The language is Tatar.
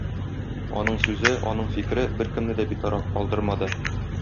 Аның сүзе, аның фикере беркемне дә битараф калдырмады.